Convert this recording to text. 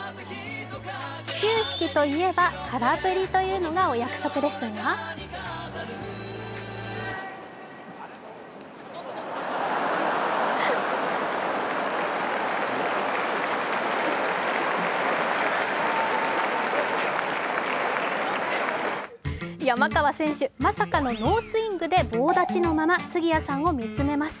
始球式といえば空振りというのがお約束ですが山川選手、まさかのノースイングで棒立ちのまま、杉谷さんを見つめます。